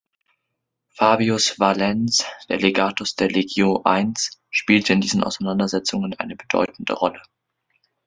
Fabius Valens, der Legatus der Legio I, spielte in diesen Auseinandersetzungen eine bedeutende Rolle.